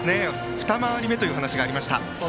二回り目という話がありました。